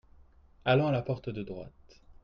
Allant à la porte de droite.